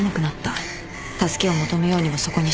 助けを求めようにもそこに死体がある。